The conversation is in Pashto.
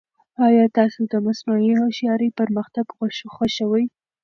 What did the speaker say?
ایا تاسو د مصنوعي هوښیارۍ پرمختګ خوښوي؟